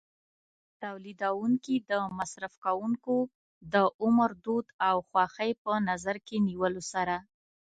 تولیدوونکي د مصرف کوونکو د عمر، دود او خوښۍ په نظر کې نیولو سره.